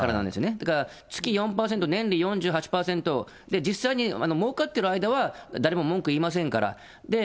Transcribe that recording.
だから月４％、年利４８％、実際にもうかっている間は、誰も文句言いませんから。